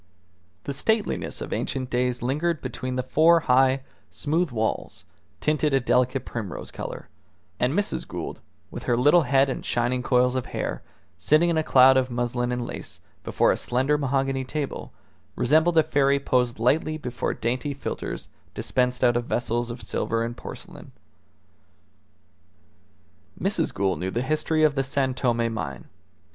The stateliness of ancient days lingered between the four high, smooth walls, tinted a delicate primrose colour; and Mrs. Gould, with her little head and shining coils of hair, sitting in a cloud of muslin and lace before a slender mahogany table, resembled a fairy posed lightly before dainty philtres dispensed out of vessels of silver and porcelain. Mrs. Gould knew the history of the San Tome mine.